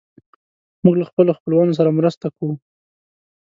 موږ له خپلو خپلوانو سره مرسته کوو.